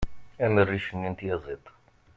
am rric-nni n tyaziḍt